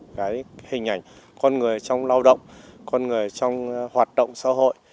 cái hình ảnh con người trong lao động con người trong hoạt động xã hội